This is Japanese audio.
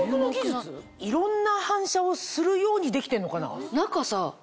いろんな反射をするようにできてんのかな？